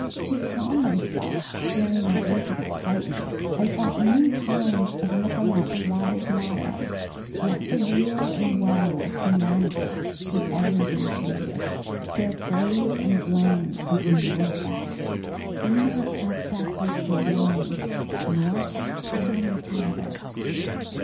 To calm myself during that week of excitement, I thought many times of Michelet's wise motto, "Let the weal and woe of humanity be everything to you, their praise and blame of no effect; be not puffed up with the one nor cast down with the other."